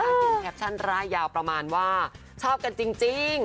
เขียนแคปชั่นร่ายยาวประมาณว่าชอบกันจริง